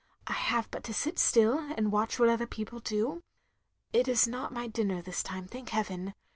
... I have but to sit still and watch what other people do. ... It is not my dinner this time, thank heaven.